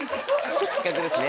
失格ですね